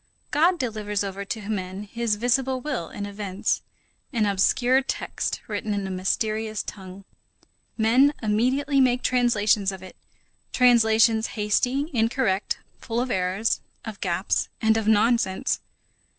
God delivers over to men his visible will in events, an obscure text written in a mysterious tongue. Men immediately make translations of it; translations hasty, incorrect, full of errors, of gaps, and of nonsense.